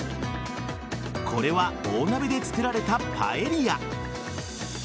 これは大鍋で作られたパエリア。